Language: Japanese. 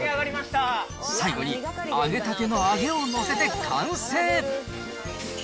最後に揚げたての揚げを載せて完成。